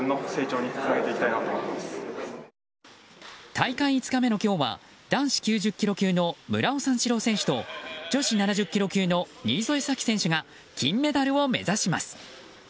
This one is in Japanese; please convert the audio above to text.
大会５日目の今日は男子９０ｋｇ級の村尾選手と女子７０ｋｇ級のにいぞえ選手が金メダルを目指します。